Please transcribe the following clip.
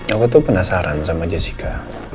aku tuh penasaran sama jessica